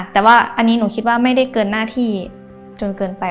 แต่ว่าอันนี้หนูคิดว่าไม่ได้เกินหน้าที่จนเกินไป